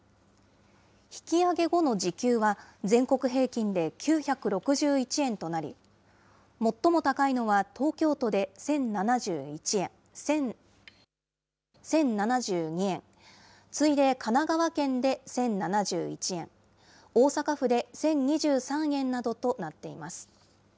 引き上げ後の時給は、全国平均で９６１円となり、最も高いのは東京都で１０７２円、次いで神奈川県で１０７１円、大阪府で１０２３円などとなっています。